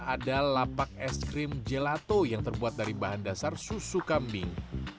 ada lapak es krim gelato yang terbuat dari bahan dasar susu kambing